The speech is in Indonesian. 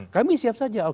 kami siap saja